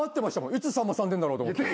いつさんまさん出んだろうと思って。